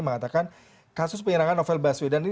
mengatakan kasus penyerangan novel baswedan ini